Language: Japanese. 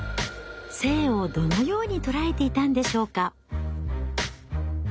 性をどのように捉えていたんでしょうか？